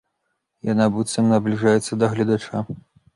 Яна быццам набліжаецца да гледача.